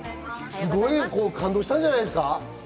すごい感動したんじゃないですか？